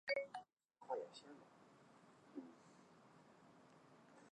最大的激酶族群是蛋白激酶。